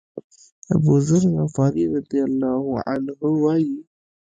أبوذر غفاري رضی الله عنه وایي.